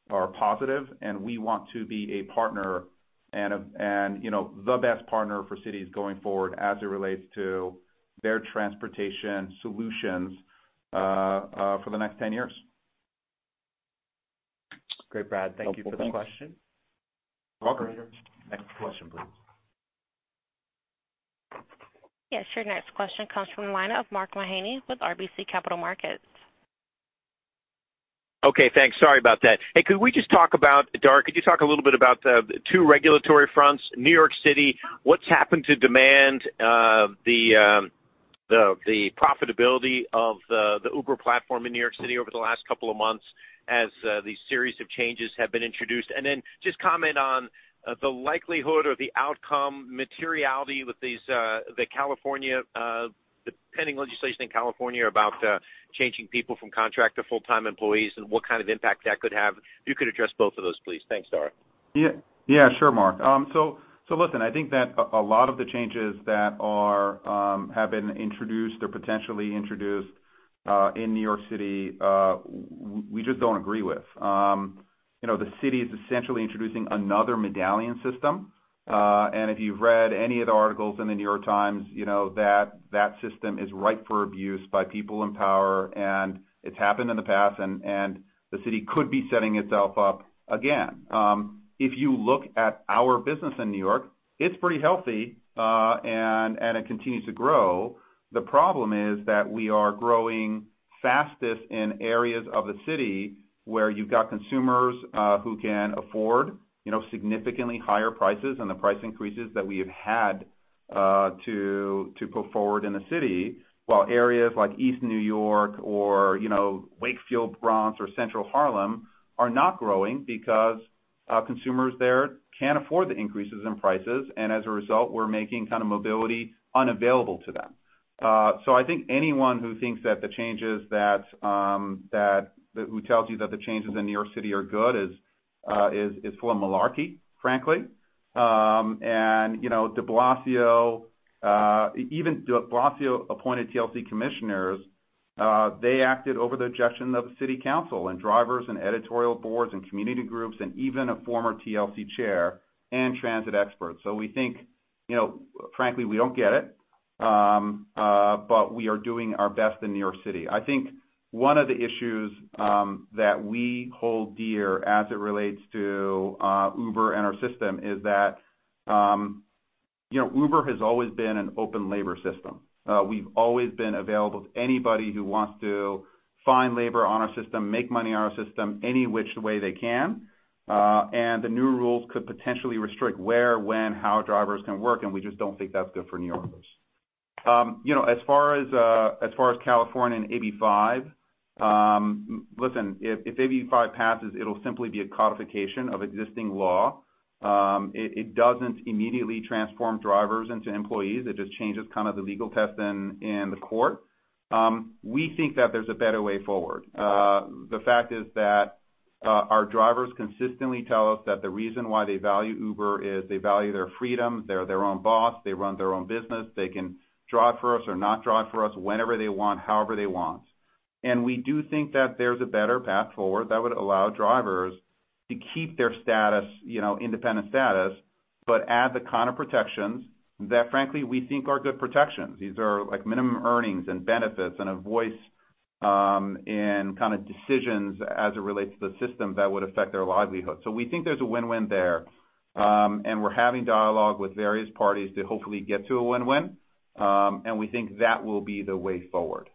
C: are positive, and we want to be a partner and, you know, the best partner for cities going forward as it relates to their transportation solutions for the next 10 years.
B: Great, Brad. Thank you for the question.
L: Welcome.
B: Operator, next question, please.
A: Yes, your next question comes from the line of Mark Mahaney with RBC Capital Markets.
M: Okay, thanks. Sorry about that. Dara, could you talk a little bit about the two regulatory fronts, New York City, what's happened to demand, the profitability of the Uber platform in New York City over the last couple of months as these series of changes have been introduced? Then just comment on the likelihood or the outcome materiality with these, the California, the pending legislation in California about changing people from contract to full-time employees and what kind of impact that could have. If you could address both of those, please. Thanks, Dara.
C: Yeah, yeah, sure, Mark. Listen, I think that a lot of the changes that are have been introduced or potentially introduced in New York City, we just don't agree with. You know, the city is essentially introducing another medallion system, if you've read any of the articles in The New York Times, you know that that system is ripe for abuse by people in power, it's happened in the past and the city could be setting itself up again. If you look at our business in New York, it's pretty healthy, and it continues to grow. The problem is that we are growing fastest in areas of the city where you've got consumers, who can afford, you know, significantly higher prices and the price increases that we have had to put forward in the city, while areas like East New York or, you know, Wakefield Bronx or Central Harlem are not growing because consumers there can't afford the increases in prices, and as a result, we're making kind of mobility unavailable to them. I think anyone who thinks that the changes that who tells you that the changes in New York City are good is full of malarkey, frankly. You know, de Blasio, even de Blasio appointed TLC commissioners, they acted over the objection of city council and drivers and editorial boards and community groups and even a former TLC chair and transit experts. We think, you know, frankly, we don't get it. We are doing our best in New York City. I think one of the issues that we hold dear as it relates to Uber and our system is that, you know, Uber has always been an open labor system. We've always been available to anybody who wants to find labor on our system, make money on our system, any which way they can. The new rules could potentially restrict where, when, how drivers can work, and we just don't think that's good for New Yorkers. You know, as far as California and AB5 passes, it'll simply be a codification of existing law. It doesn't immediately transform drivers into employees. It just changes kind of the legal test in the court. We think that there's a better way forward. The fact is that our drivers consistently tell us that the reason why they value Uber is they value their freedom. They're their own boss. They run their own business. They can drive for us or not drive for us whenever they want, however they want. We do think that there's a better path forward that would allow drivers to keep their status, you know, independent status, but add the kind of protections that frankly we think are good protections. These are like minimum earnings and benefits and a voice in kinda decisions as it relates to the system that would affect their livelihood. We think there's a win-win there. We're having dialogue with various parties to hopefully get to a win-win. We think that will be the way forward.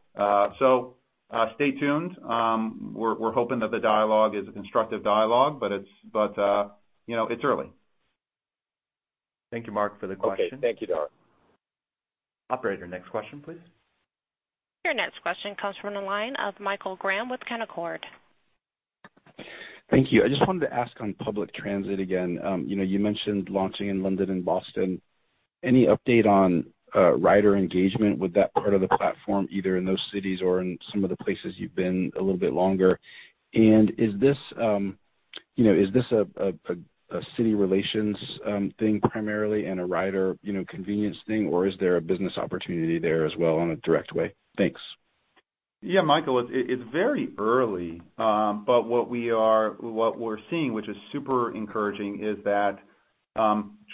C: Stay tuned. We're hoping that the dialogue is a constructive dialogue, but it's, you know, it's early.
B: Thank you, Mark, for the question.
M: Okay. Thank you, Dara.
B: Operator, next question, please.
A: Your next question comes from the line of Michael Graham with Canaccord.
N: Thank you. I just wanted to ask on public transit again. You know, you mentioned launching in London and Boston. Any update on rider engagement with that part of the platform, either in those cities or in some of the places you've been a little bit longer? Is this, you know, is this a city relations thing primarily and a rider, you know, convenience thing, or is there a business opportunity there as well in a direct way? Thanks.
C: Michael, it's very early. What we're seeing, which is super encouraging, is that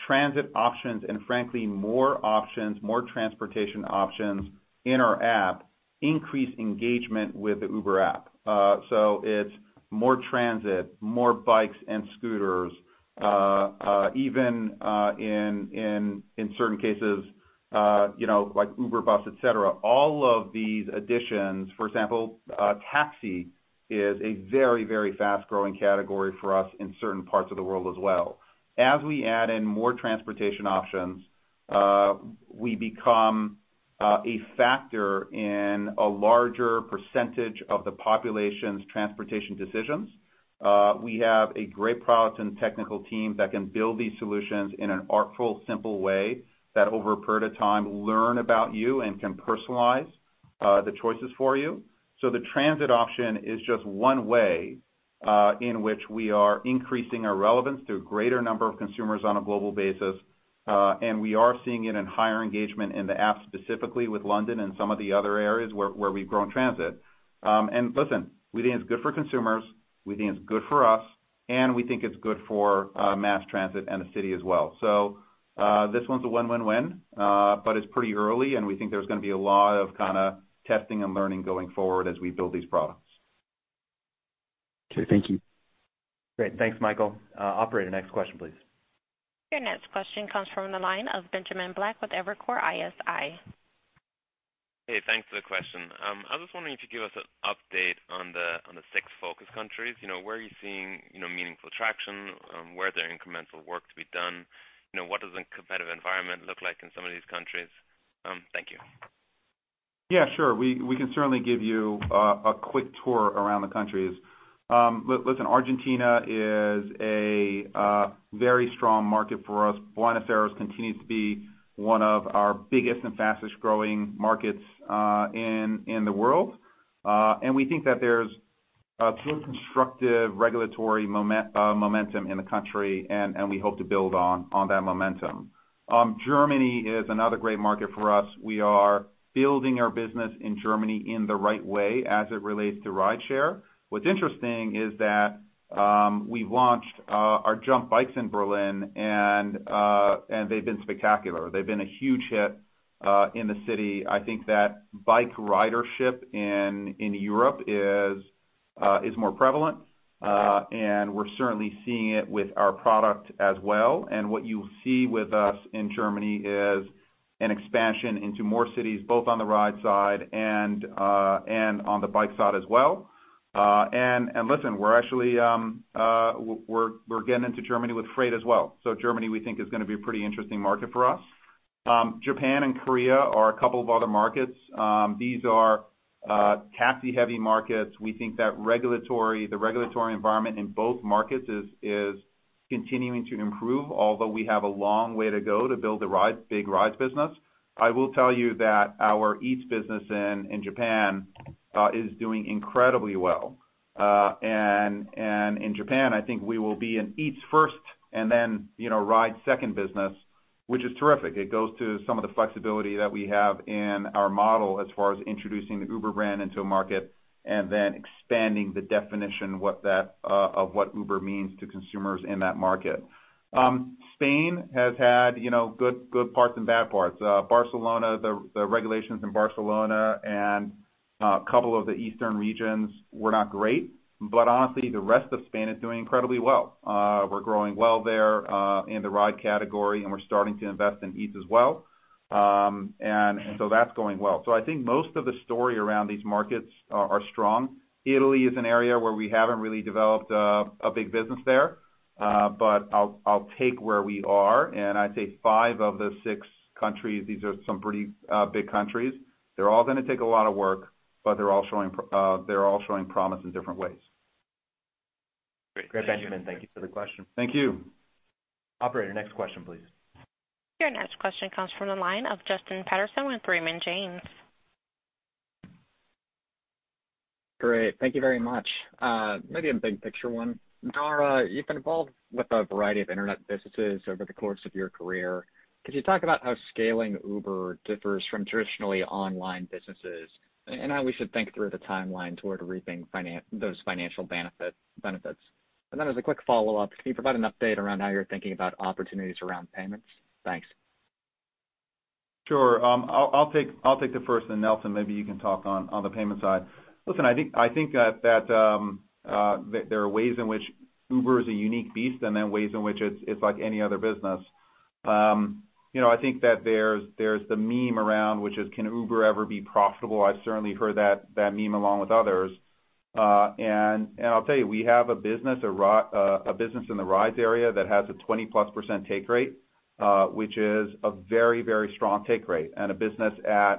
C: transit options and frankly, more options, more transportation options in our app-Increase engagement with the Uber app. It's more transit, more bikes and scooters, even in certain cases, you know, like Uber Bus, et cetera. All of these additions, for example, taxi is a very fast-growing category for us in certain parts of the world as well. As we add in more transportation options, we become a factor in a larger percentage of the population's transportation decisions. We have a great product and technical team that can build these solutions in an artful, simple way that over a period of time learn about you and can personalize the choices for you. The transit option is just one way in which we are increasing our relevance to a greater number of consumers on a global basis, and we are seeing it in higher engagement in the app, specifically with London and some of the other areas where we've grown transit. Listen, we think it's good for consumers, we think it's good for us, and we think it's good for mass transit and the city as well. This one's a win-win-win, but it's pretty early, and we think there's gonna be a lot of kinda testing and learning going forward as we build these products.
N: Okay, thank you.
B: Great. Thanks, Michael. Operator, next question, please.
A: Your next question comes from the line of Benjamin Black with Evercore ISI.
O: Hey, thanks for the question. I was wondering if you could give us an update on the six focus countries. You know, where are you seeing, you know, meaningful traction, where there are incremental work to be done, you know, what does the competitive environment look like in some of these countries? Thank you.
C: Yeah, sure. We can certainly give you a quick tour around the countries. Look, listen, Argentina is a very strong market for us. Buenos Aires continues to be one of our biggest and fastest-growing markets in the world. We think that there's good constructive regulatory momentum in the country, and we hope to build on that momentum. Germany is another great market for us. We are building our business in Germany in the right way as it relates to rideshare. What's interesting is that we've launched our JUMP bikes in Berlin and they've been spectacular. They've been a huge hit in the city. I think that bike ridership in Europe is more prevalent, and we're certainly seeing it with our product as well. What you'll see with us in Germany is an expansion into more cities, both on the ride side and on the bike side as well. Listen, we're actually getting into Germany with Uber Freight as well. Germany, we think, is gonna be a pretty interesting market for us. Japan and Korea are a couple of other markets. These are taxi-heavy markets. We think that the regulatory environment in both markets is continuing to improve, although we have a long way to go to build a big rides business. I will tell you that our Uber Eats business in Japan is doing incredibly well. In Japan, I think we will be an Uber Eats first and then, you know, rides second business, which is terrific. It goes to some of the flexibility that we have in our model as far as introducing the Uber brand into a market and then expanding the definition what that of what Uber means to consumers in that market. Spain has had, you know, good parts and bad parts. Barcelona, the regulations in Barcelona and a couple of the eastern regions were not great, but honestly, the rest of Spain is doing incredibly well. We're growing well there in the ride category, and we're starting to invest in Eats as well. That's going well. I think most of the story around these markets are strong. Italy is an area where we haven't really developed a big business there, but I'll take where we are, and I'd say five of the six countries, these are some pretty big countries. They're all gonna take a lot of work, but they're all showing promise in different ways.
O: Great. Thank you.
C: Great. Benjamin, thank you for the question.
B: Thank you. Operator, next question, please.
A: Your next question comes from the line of Justin Patterson with Raymond James.
P: Great. Thank you very much. Maybe a big picture one. Dara, you've been involved with a variety of internet businesses over the course of your career. Could you talk about how scaling Uber differs from traditionally online businesses and how we should think through the timeline toward reaping those financial benefits? As a quick follow-up, can you provide an update around how you're thinking about opportunities around payments? Thanks.
C: Sure. I'll take the first, Nelson, maybe you can talk on the payment side. Listen, I think that there are ways in which Uber is a unique beast and then ways in which it's like any other business. You know, I think that there's the meme around, which is can Uber ever be profitable? I've certainly heard that meme along with others. I'll tell you, we have a business in the rides area that has a 20%+ take rate, which is a very strong take rate. A business at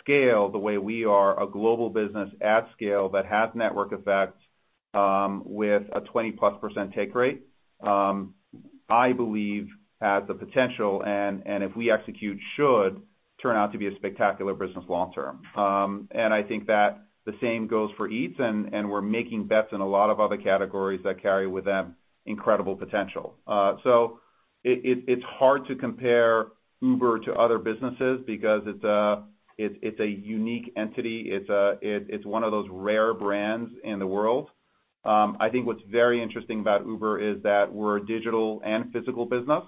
C: scale, the way we are, a global business at scale that has network effects, with a 20%+ take rate, I believe has the potential and if we execute should turn out to be a spectacular business long term. I think that the same goes for Eats, and we're making bets in a lot of other categories that carry with them incredible potential. So it's hard to compare Uber to other businesses because it's a unique entity. It's one of those rare brands in the world. I think what's very interesting about Uber is that we're a digital and physical business.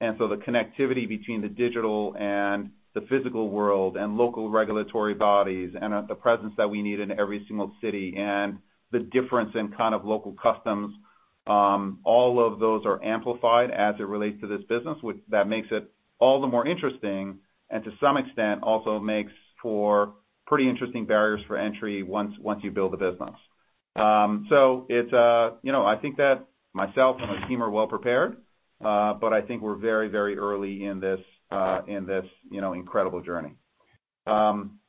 C: The connectivity between the digital and the physical world and local regulatory bodies and the presence that we need in every single city, and the difference in kind of local customs, all of those are amplified as it relates to this business, which that makes it all the more interesting, and to some extent also makes for pretty interesting barriers for entry once you build the business. It's, you know, I think that myself and my team are well prepared, but I think we're very, very early in this, in this, you know, incredible journey.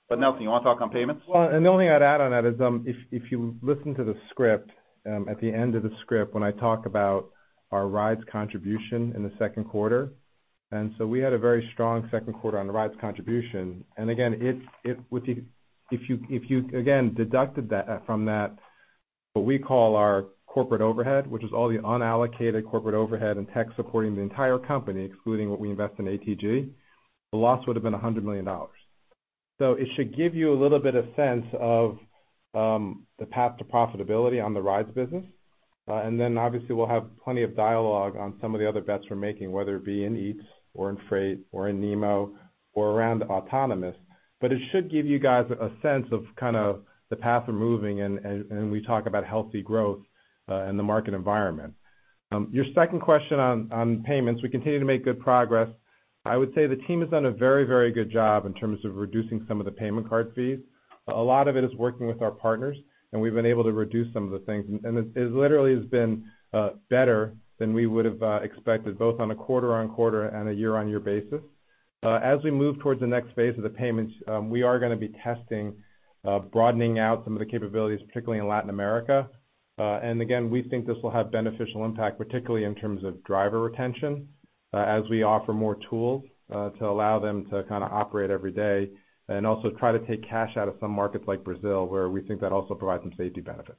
C: Nelson, you wanna talk on payments?
D: Well, the only thing I'd add on that is, if you listen to the script, at the end of the script, when I talk about our rides contribution in the second quarter. We had a very strong second quarter on the rides contribution, and again, it's with the If you, again, deducted that, from that, what we call our corporate overhead, which is all the unallocated corporate overhead and tech supporting the entire company, excluding what we invest in ATG, the loss would have been $100 million. It should give you a little bit of sense of the path to profitability on the rides business. Then obviously, we'll have plenty of dialogue on some of the Other Bets we're making, whether it be in Eats or in Freight or in NeMo or around Autonomous. It should give you guys a sense of kind of the path we're moving and we talk about healthy growth in the market environment. Your second question on payments, we continue to make good progress. I would say the team has done a very good job in terms of reducing some of the payment card fees. A lot of it is working with our partners, and we've been able to reduce some of the things. It literally has been better than we would have expected, both on a quarter-on-quarter and a year-on-year basis. As we move towards the next phase of the payments, we are gonna be testing broadening out some of the capabilities, particularly in Latin America. Again, we think this will have beneficial impact, particularly in terms of driver retention, as we offer more tools to allow them to kind of operate every day, and also try to take cash out of some markets like Brazil, where we think that also provides some safety benefits.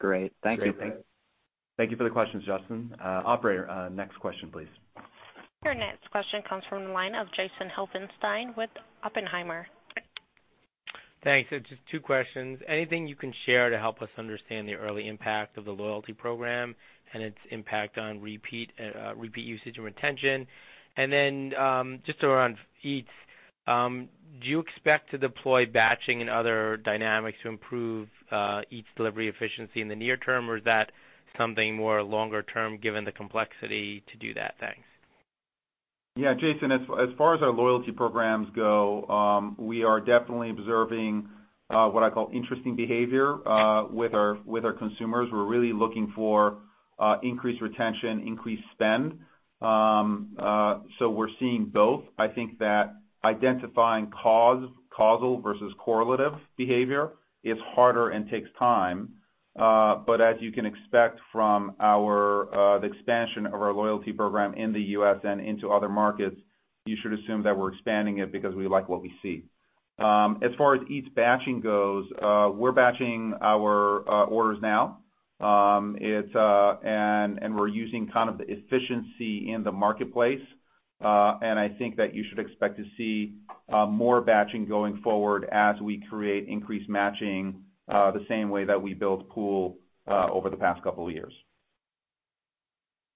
P: Great. Thank you.
B: Thank you for the questions, Justin. operator, next question, please.
A: Your next question comes from the line of Jason Helfstein with Oppenheimer.
Q: Thanks. Just two questions. Anything you can share to help us understand the early impact of the Loyalty Program and its impact on repeat usage and retention? Just around Eats, do you expect to deploy batching and other dynamics to improve Eats delivery efficiency in the near term, or is that something more longer term given the complexity to do that? Thanks.
C: Yeah, Jason, as far as our loyalty programs go, we are definitely observing what I call interesting behavior with our consumers. We're really looking for increased retention, increased spend. We're seeing both. I think that identifying cause, causal versus correlative behavior is harder and takes time. As you can expect from our the expansion of our loyalty program in the U.S. and into other markets, you should assume that we're expanding it because we like what we see. As far as Eats batching goes, we're batching our orders now. We're using kind of the efficiency in the marketplace. I think that you should expect to see more batching going forward as we create increased matching, the same way that we built Pool over the past couple of years.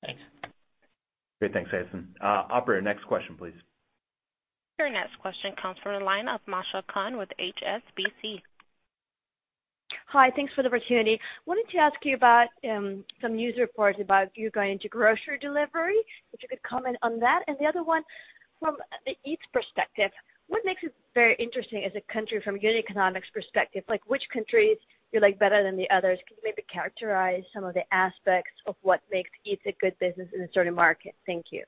Q: Thanks.
B: Great. Thanks, Jason. Operator, next question, please.
A: Your next question comes from the line of Masha Kahn with HSBC.
R: Hi. Thanks for the opportunity. Wanted to ask you about some news reports about you going into grocery delivery, if you could comment on that. The other one, from the Eats perspective, what makes it very interesting as a country from unit economics perspective? Like which countries you like better than the others? Can you maybe characterize some of the aspects of what makes Eats a good business in a certain market? Thank you.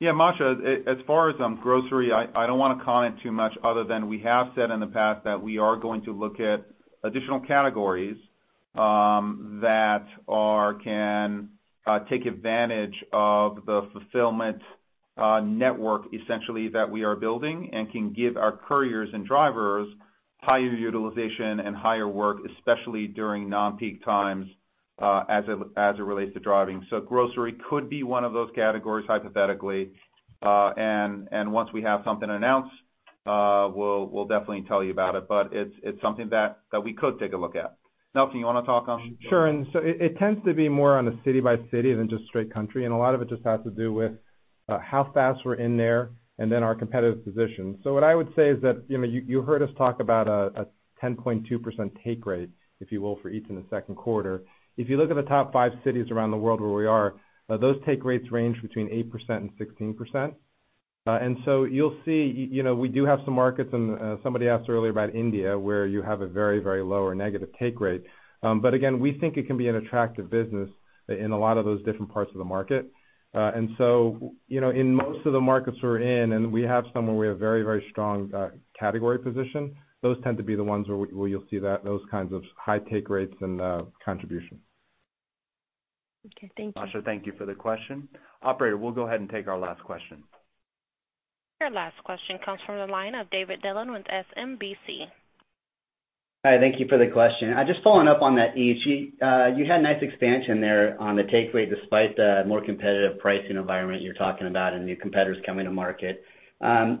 C: Yeah, Masha, as far as grocery, I don't wanna comment too much other than we have said in the past that we are going to look at additional categories that are can take advantage of the fulfillment network essentially that we are building and can give our couriers and drivers higher utilization and higher work, especially during non-peak times, as it relates to driving. Grocery could be one of those categories, hypothetically. Once we have something announced, we'll definitely tell you about it, but it's something that we could take a look at. Nelson, you wanna talk on.
D: Sure. It tends to be more on a city by city than just straight country, and a lot of it just has to do with how fast we're in there and then our competitive position. What I would say is that, you know, you heard us talk about a 10.2% take rate, if you will, for Uber Eats in the second quarter. If you look at the top five cities around the world where we are, those take rates range between 8% and 16%. You'll see, you know, we do have some markets, and somebody asked earlier about India, where you have a very, very low or negative take rate. Again, we think it can be an attractive business in a lot of those different parts of the market. You know, in most of the markets we're in, and we have some where we have very, very strong category position, those tend to be the ones where you'll see that, those kinds of high take rates and contribution.
R: Okay. Thank you.
B: Masha, thank you for the question. Operator, we'll go ahead and take our last question.
A: Your last question comes from the line of David Dillon with SMBC.
S: Hi. Thank you for the question. Just following up on that Eats, you had nice expansion there on the take rate despite the more competitive pricing environment you're talking about and new competitors coming to market. Just kind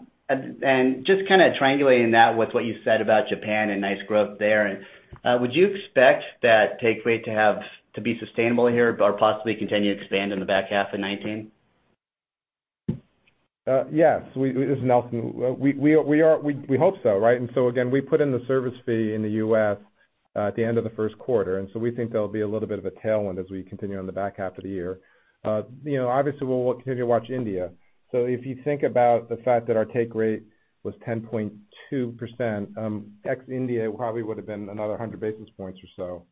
S: of triangulating that with what you said about Japan and nice growth there, would you expect that take rate to have to be sustainable here or possibly continue to expand in the back half of 2019?
D: Yeah. This is Nelson. We are, we hope so, right? Again, we put in the service fee in the U.S. at the end of the first quarter, and so we think there'll be a little bit of a tailwind as we continue on the back half of the year. You know, obviously we'll continue to watch India. If you think about the fact that our take rate was 10.2%, ex-India probably would've been another 100 basis points or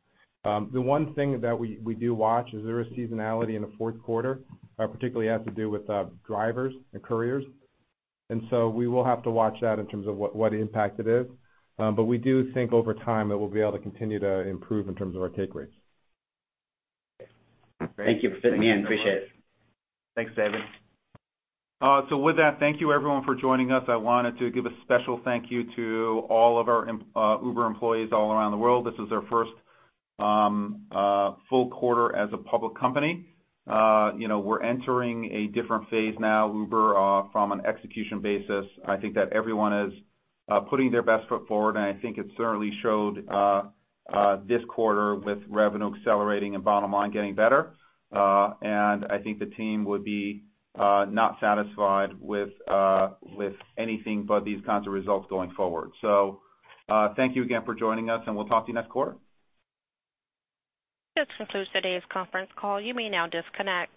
D: so. The one thing that we do watch is there is seasonality in the fourth quarter, particularly has to do with drivers and couriers. We will have to watch that in terms of what impact it is. We do think over time that we'll be able to continue to improve in terms of our take rates.
S: Thank you for fitting me in. Appreciate it.
C: Thanks, David. With that, thank you everyone for joining us. I wanted to give a special thank you to all of our Uber employees all around the world. This is our first full quarter as a public company. You know, we're entering a different phase now, Uber, from an execution basis. I think that everyone is putting their best foot forward, and I think it certainly showed this quarter with revenue accelerating and bottom line getting better. I think the team would be not satisfied with anything but these kinds of results going forward. Thank you again for joining us, and we'll talk to you next quarter.
A: This concludes today's conference call. You may now disconnect.